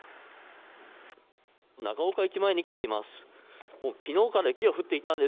長岡駅前に来ています。